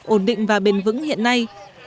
ổn định và bền vững hiện nay